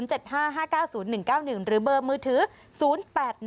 ๐๗๕๕๙๐๑๙๑หรือเบอร์มือถือ๐๘๑๘๙๔๔๕๖๑ค่ะ